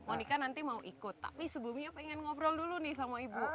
monika nanti mau ikut tapi sebelumnya pengen ngobrol dulu nih sama ibu